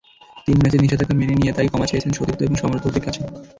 তিন ম্যাচের নিষেধাজ্ঞা মেনে নিয়ে তাই ক্ষমা চেয়েছেন সতীর্থ এবং সমর্থকদের কাছে।